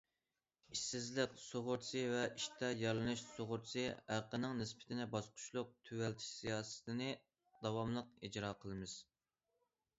ئىشسىزلىق سۇغۇرتىسى ۋە ئىشتا يارىلىنىش سۇغۇرتىسى ھەققىنىڭ نىسبىتىنى باسقۇچلۇق تۆۋەنلىتىش سىياسىتىنى داۋاملىق ئىجرا قىلىمىز.